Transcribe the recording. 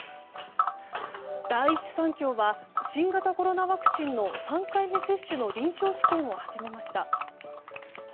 第一三共は新型コロナワクチンの３回目接種の臨床試験を始めました。